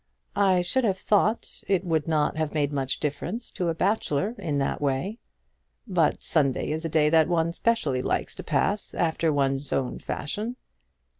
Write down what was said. "I should have thought it would not have made much difference to a bachelor in that way." "But Sunday is a day that one specially likes to pass after one's own fashion."